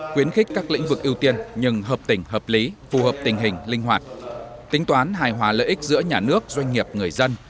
khuyến khích các lĩnh vực ưu tiên nhưng hợp tình hợp lý phù hợp tình hình linh hoạt tính toán hài hòa lợi ích giữa nhà nước doanh nghiệp người dân